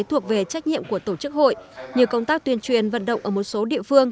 thuộc về trách nhiệm của tổ chức hội như công tác tuyên truyền vận động ở một số địa phương